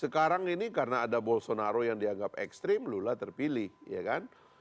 sekarang ini karena ada bolsonaro yang dianggap ekstrim lula terpilih ya kan